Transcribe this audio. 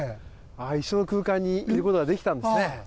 一緒の空間にいる事ができたんですね。